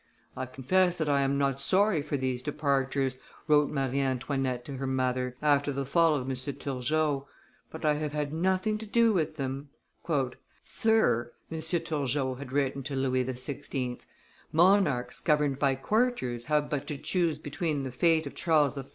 "I confess that I am not sorry for these departures," wrote Marie Antoinette to her mother, after the fall of M. Turgot, "but I have had nothing to do with them." "Sir," M. Turgot had written to Louis XVI., "monarchs governed by courtiers have but to choose between the fate of Charles I.